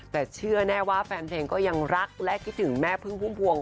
แต่เชื่อแน่ว่าแฟนเพลงก็ยังรักและคิดถึงแม่พึ่งพุ่มพวง